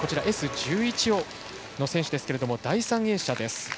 １１の選手ですけど第３泳者です。